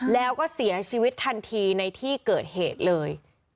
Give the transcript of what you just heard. แล้วก็เสียชีวิตทันทีในที่เกิดเหตุเลย